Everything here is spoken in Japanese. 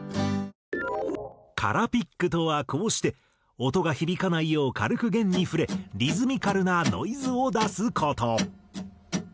空ピックとはこうして音が響かないよう軽く弦に触れリズミカルなノイズを出す事。